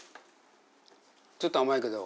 ちょっと甘いけど。